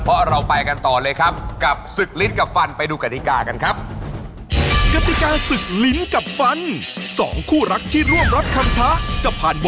เพราะเราไปกันต่อเลยครับกับศึกลิ้นกับฟันไปดูกฎิกากันครับ